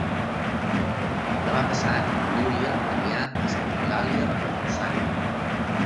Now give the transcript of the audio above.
Demà passat na Núria anirà a Santa Eulàlia de Ronçana.